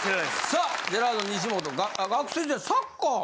さあジェラードン西本学生時代サッカー。